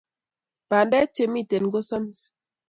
Bandek che miten ko samis